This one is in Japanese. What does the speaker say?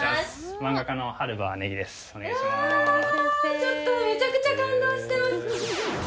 ちょっとめちゃくちゃ感動してます！